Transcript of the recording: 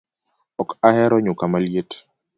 Ok ahero nyuka maliet